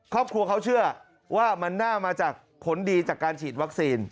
ครอบครัวเขาเชื่อว่ามันน่ามาจากผลดีจากการฉีดวัคซีน